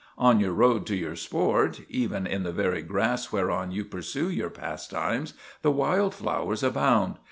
On your road to your sport—even in the very grass whereon you pursue your pastimes—the wild flowers abound.